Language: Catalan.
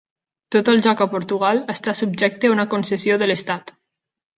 Tot el joc a Portugal està subjecte a una concessió de l'estat.